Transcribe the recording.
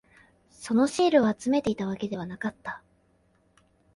そのシールを集めていたわけではなかった。